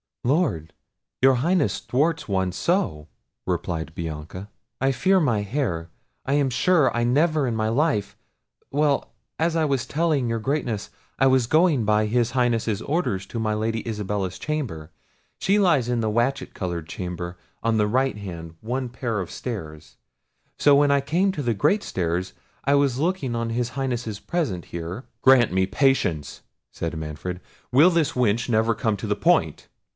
"Lord! your Highness thwarts one so!" replied Bianca; "I fear my hair—I am sure I never in my life—well! as I was telling your Greatness, I was going by his Highness's order to my Lady Isabella's chamber; she lies in the watchet coloured chamber, on the right hand, one pair of stairs: so when I came to the great stairs—I was looking on his Highness's present here—" "Grant me patience!" said Manfred, "will this wench never come to the point?